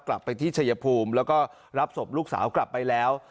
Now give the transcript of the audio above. กลับไปที่ชายภูมิแล้วก็รับศพลูกสาวกลับไปแล้ว